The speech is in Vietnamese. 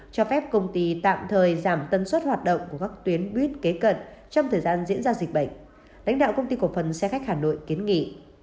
cho phép công ty tạm thời giảm tân suất hoạt động của các tuyến buýt kế cận trong thời gian diễn ra dịch bệnh lãnh đạo công ty cổ phần xe khách hà nội kiến nghị